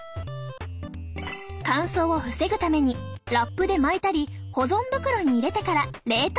乾燥を防ぐためにラップで巻いたり保存袋に入れてから冷凍庫へ。